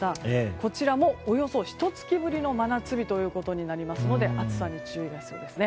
こちらもおよそひと月ぶりの真夏日となりますので暑さに注意が必要ですね。